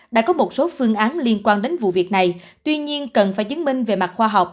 đã có một số phương án liên quan đến vụ việc này tuy nhiên cần phải chứng minh về mặt khoa học